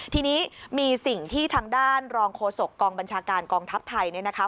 ทีนี้มีสิ่งที่ทางด้านรองโฆษกองบัญชาการกองทัพไทยเนี่ยนะคะ